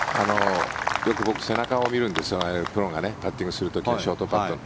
よく僕、背中を見るんですああいうプロがパッティングする時ショートパット。